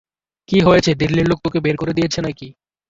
কী হয়েছে, দিল্লীর লোক তোকে বের করে দিয়েছে নাকি?